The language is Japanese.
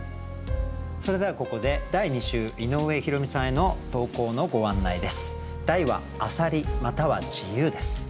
それではここで第２週井上弘美さんへの投稿のご案内です。